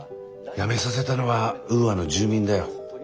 辞めさせたのはウーアの住民だよ。